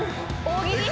大喜利？